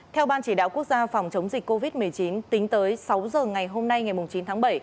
theo ban chỉ đạo quốc gia phòng chống dịch covid một mươi chín tính tới sáu giờ ngày hôm nay ngày chín tháng bảy